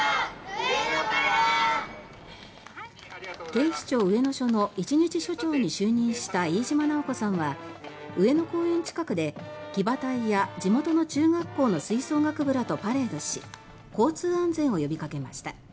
警視庁上野署の一日署長に就任した飯島直子さんは上野公園近くで騎馬隊や地元の中学校の吹奏楽部らとパレードし交通安全を呼び掛けました。